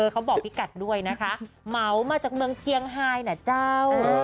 เขาบอกพี่กัดด้วยนะคะเหมามาจากเมืองเจียงไฮนะเจ้า